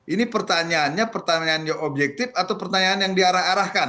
ini pertanyaannya pertanyaannya objektif atau pertanyaan yang diarah arahkan